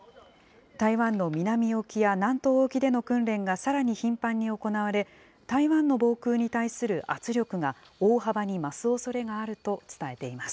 台湾の南沖や南東沖での訓練がさらに頻繁に行われ、台湾の防空に対する圧力が大幅に増すおそれがあると伝えています。